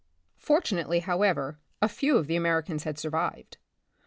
Fortunately, however, a few of the Americans had survived.